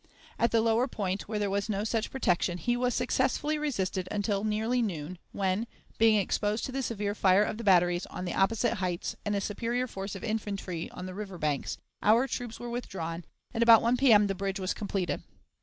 At the lower point, where there was no such protection, he was successfully resisted until nearly noon, when, being exposed to the severe fire of the batteries on the opposite heights and a superior force of infantry on the river banks, our troops were withdrawn, and about 1 P.M. the bridge was completed.